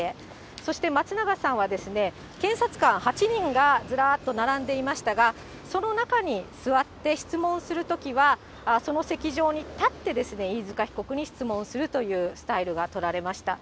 そして、松永さんは検察官８人がずらっと並んでいましたが、その中に座って質問するときは、その席上に立って飯塚被告に質問するというスタイルが取られました。